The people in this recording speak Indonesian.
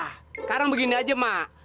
sekarang begini aja mak